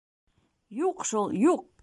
Юҡ шул, юҡ!